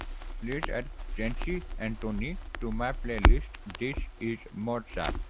Please add Jency Anthony to my playlist This Is Mozart